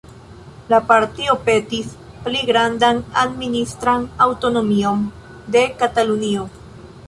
La partio petis pli grandan administran aŭtonomion de Katalunio.